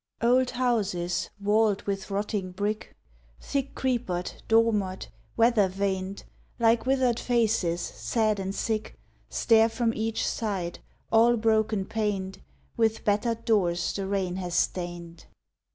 Old houses, walled with rotting brick, Thick creepered, dormered, weather vaned, Like withered faces, sad and sick, Stare from each side, all broken paned, With battered doors the rain has stained.